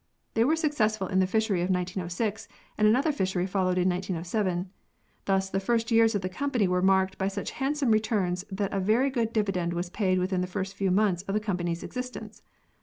They were successful in the fishery of 1906, and another fishery followed in 1907. Thus the first years of the company were marked by such handsome returns that a very good dividend was paid within the first few months of the company's existence.